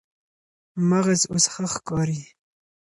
مغز اوس ښه ښکاري.